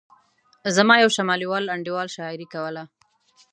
زما یو شمالي وال انډیوال شاعري کوله.